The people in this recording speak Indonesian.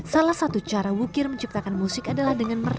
salah satu cara wukir menciptakan musik adalah dengan merawa